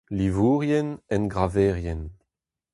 Livourien, engraverien.